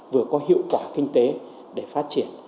vừa có hiệu quả kinh tế để phát triển